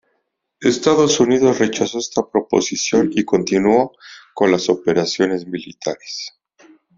Estados Unidos rechazó esta proposición y continuó con las operaciones militares.